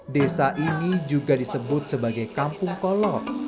desa ini juga disebut sebagai kampung kolok